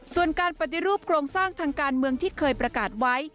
ส่วนการปฏิรูปโครงสร้างทางการเมืองที่เคยประกาศไว้